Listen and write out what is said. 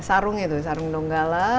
sarung itu sarung donggala